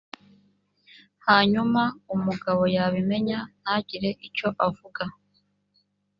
hanyuma umugabo yabimenya ntagire icyo avuga